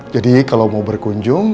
jadi kalau mau berkunjung